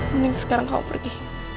mending sekarang kamu pergi